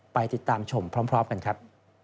ไปติดตามชมพร้อมกันครับ